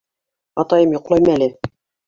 — Атайым йоҡлаймы әле?